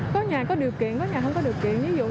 có nhà có điều kiện có nhà không có điều kiện